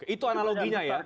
itu analoginya ya